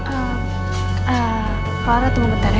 ehm farah tunggu bentar ya